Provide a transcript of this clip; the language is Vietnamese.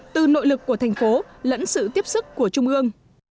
từ nội lực của thành phố lẫn sự tiếp sức của trung ương